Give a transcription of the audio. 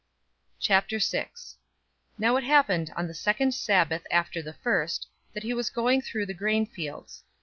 '" 006:001 Now it happened on the second Sabbath after the first, that he was going through the grain fields.